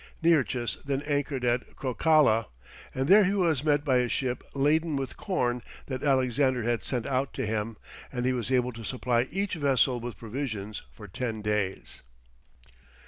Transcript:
Nearchus then anchored at Crocala, and there he was met by a ship laden with corn that Alexander had sent out to him, and he was able to supply each vessel with provisions for ten days.